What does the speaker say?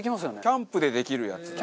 キャンプでできるやつだ。